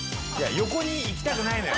横に行きたくないのよ。